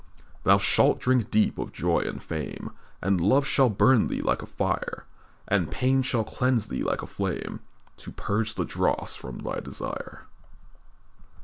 "Thou shalt drink deep of joy and fame, And love shall burn thee like a fire, And pain shall cleanse thee like a flame, To purge the dross from thy desire.